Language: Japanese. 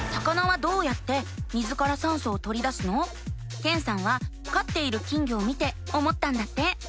けんさんはかっている金魚を見て思ったんだって。